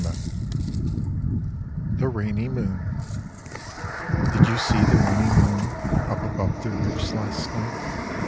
90 THE RAINY MOON Did you see the rainy moon Up above the roofs last night